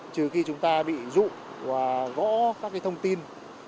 trừ khi chúng ta bị dụ và gõ các thông tin